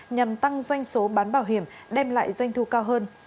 nhằm tăng doanh số bán bảo hiểm đem lại doanh thu cao hơn